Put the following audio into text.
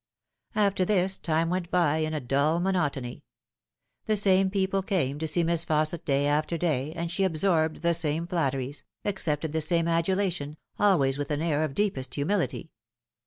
After this, time went by in a dull monotony. The same people came to see Miss Fausset day after day, and she absorbed the same flatteries, accepted the same adulation, always with an air of deepest humility.